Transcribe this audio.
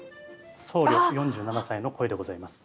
僧侶４７歳の声でございます。